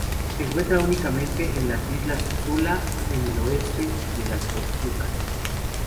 Se encuentra únicamente en las islas Sula, en el oeste de las Molucas.